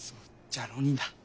じゃ浪人だ。